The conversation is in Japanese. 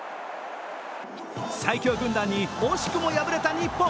最強軍団に惜しくも敗れた日本。